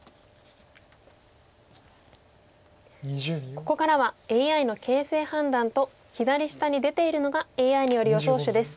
ここからはＡＩの形勢判断と左下に出ているのがＡＩによる予想手です。